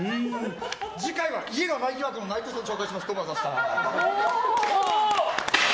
次回は家がない疑惑のナイトウさんご紹介します。